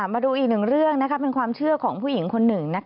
มาดูอีกหนึ่งเรื่องเป็นความเชื่อของผู้หญิงคนหนึ่ง